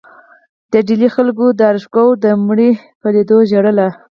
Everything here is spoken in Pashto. د ډیلي خلکو د داراشکوه د مړي په لیدو ژړل.